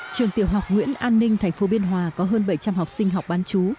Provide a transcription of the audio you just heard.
trường tiểu học nguyễn an ninh tp biên hòa có hơn bảy trăm linh học sinh học bán chú